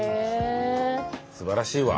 すばらしいわ。